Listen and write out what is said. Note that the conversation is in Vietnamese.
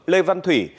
lê văn thủy